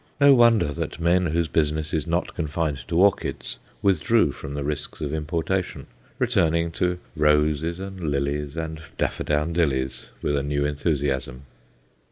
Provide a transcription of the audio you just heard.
No wonder that men whose business is not confined to orchids withdrew from the risks of importation, returning to roses and lilies and daffodowndillies with a new enthusiasm.